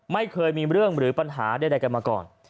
ไม่เคยมีเรื่องหรือปัญหาใดกันมาก่อน